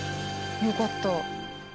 よかった。